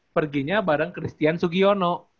perginya bareng christian sugiono